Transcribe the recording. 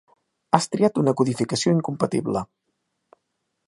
Has triat una codificació incompatible.